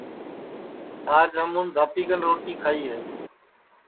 آج ہمون دھاپی کن روٹی کھائی ہے